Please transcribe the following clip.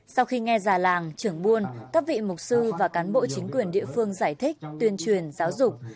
sau khi nghe già làng trưởng buôn các vị mục sư và cán bộ chính quyền địa phương giải thích tuyên truyền giáo dục